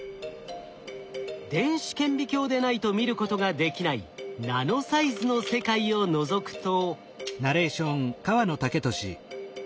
電子顕微鏡でないと見ることができないナノサイズの世界をのぞくと。